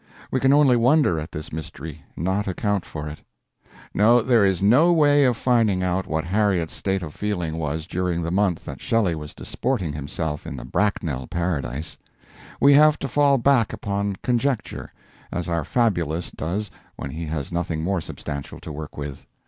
We can only wonder at this mystery, not account for it. No, there is no way of finding out what Harriet's state of feeling was during the month that Shelley was disporting himself in the Bracknell paradise. We have to fall back upon conjecture, as our fabulist does when he has nothing more substantial to work with.